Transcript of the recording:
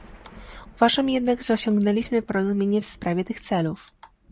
Uważam jednak, że osiągnęliśmy porozumienie w sprawie tych celów